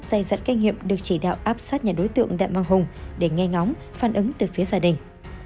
các trình sát dây dẫn kinh nghiệm được chỉ đạo áp sát nhà đối tượng đặng văn hùng để nghe ngóng phản ứng từ phía gia đình